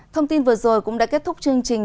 thông tin vừa rồi cũng đã kết thúc chương trình